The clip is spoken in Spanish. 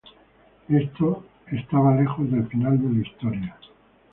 Esto estaba lejos del final de la historia.